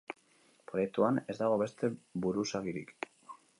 Proiektuan ez dago beste buruzagirik.